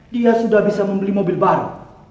dia sudah bisa membeli mobil baru